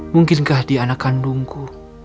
mungkinkah di anak kandungku